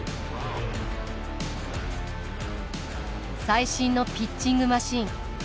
最新のピッチングマシン。